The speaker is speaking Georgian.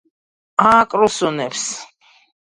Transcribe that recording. ააკრუსუნებს